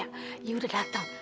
ayok udah dateng